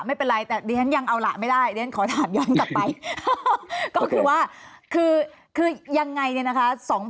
ไม่เป็นไรแต่เดี๋ยวยังเอาหล่ะไม่ได้อีกว่าคือคือยังไงนะคะ